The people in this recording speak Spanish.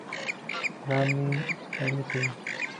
Garmin Ltd.